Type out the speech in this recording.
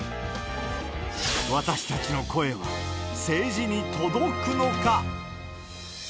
私たちの声は政治に届くのか。